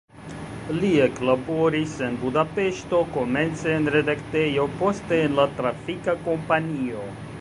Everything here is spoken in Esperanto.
Li eklaboris en Budapeŝto komence en redaktejo, poste en la trafika kompanio.